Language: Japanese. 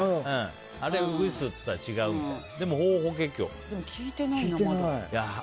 あれウグイスっていったら違うってね。